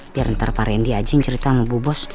biar ntar pak randy anjing cerita sama bu bos